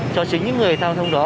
cho chính những người giao thông đó